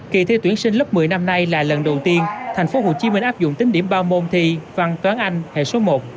kỳ thi tuyển sinh lớp một mươi năm nay là lần đầu tiên thành phố hồ chí minh áp dụng tính điểm bao môn thi văn toán anh hệ số một